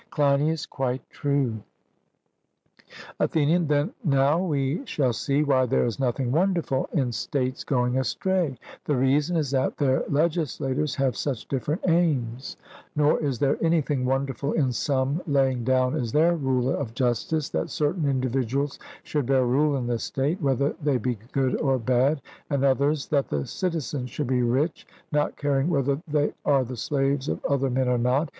CLEINIAS: Quite true. ATHENIAN: Then now we shall see why there is nothing wonderful in states going astray the reason is that their legislators have such different aims; nor is there anything wonderful in some laying down as their rule of justice, that certain individuals should bear rule in the state, whether they be good or bad, and others that the citizens should be rich, not caring whether they are the slaves of other men or not.